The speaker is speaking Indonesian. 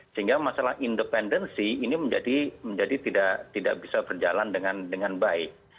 sehingga masalah independensi ini menjadi tidak bisa berjalan dengan baik